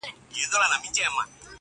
نه د پردي نسیم له پرخو سره وغوړېدم!.